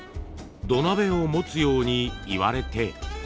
土鍋を持つように言われて。